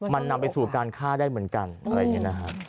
มันนำไปสู่การฆ่าได้เหมือนกันอะไรอย่างนี้นะฮะ